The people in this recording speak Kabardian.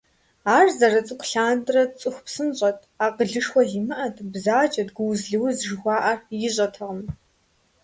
Ар зэрыцӏыкӏу лъандэрэ цӀыху псынщӀэт, акъылышхуэ зимыӀэт, бзаджэт, гууз-лыуз жыхуаӏэр ищӏэтэкъым.